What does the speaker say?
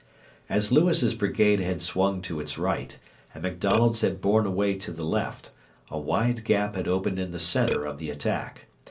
As Lewis's brigade had swung to its right, and MacDonald's had borne away to the left, a wide gap had opened in the centre of the attack.